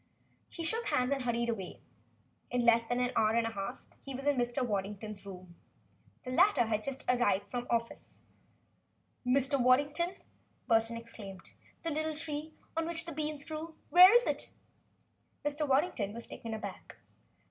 He shook hands and hurried away. In less than an hour and a half he was in Mr. Waddington's rooms. The latter had just arrived from the office. "Mr. Waddington," Burton exclaimed, "the little tree on which the beans grew where is it?" Mr. Waddington was taken aback.